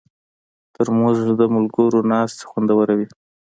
ترموز د ملګرو ناستې خوندوروي.